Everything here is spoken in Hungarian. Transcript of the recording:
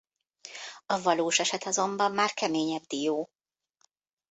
A valós eset azonban már keményebb dió.